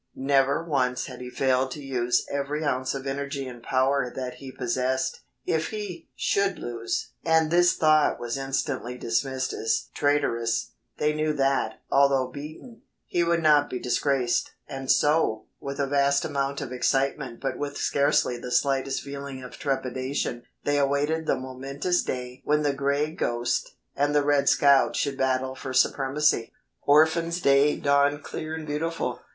Never once had he failed to use every ounce of energy and power that he possessed. If he should lose and this thought was instantly dismissed as traitorous they knew that, although beaten, he would not be disgraced, and so, with a vast amount of excitement but with scarcely the slightest feeling of trepidation, they awaited the momentous day when the "Gray Ghost" and the "Red Scout" should battle for supremacy. "Orphans' Day" dawned clear and beautiful.